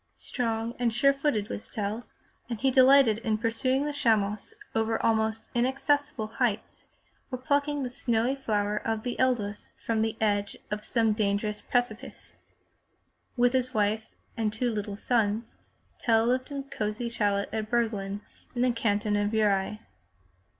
Strong and sure footed was Tell and he delighted in pursuing the chamois over almost inaccessible heights, or plucking the snowy flower of the edelweiss from the edge of some dangerous precipice. With his wife and two little sons Tell lived in a cozy chalet at Biirglen in the canton of Uri.